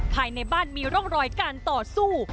ภายในบ้านมีร่องรอยการต่อสู้